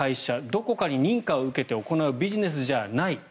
どこかに認可を受けて行うビジネスじゃない。